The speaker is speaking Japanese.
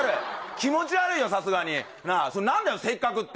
気持ち悪いよ、さすがに、なあ、それ、なんだよせっかくって。